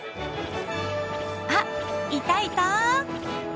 あっいたいた！